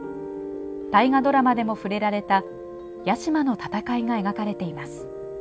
大河ドラマでも触れられた屋島の戦いが描かれています。